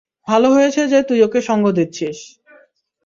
ভালো হয়েছে যে, তুই ওকে সঙ্গ দিচ্ছিস।